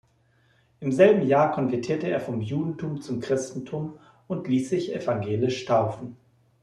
Im selben Jahr konvertierte er vom Judentum zum Christentum und ließ sich evangelisch taufen.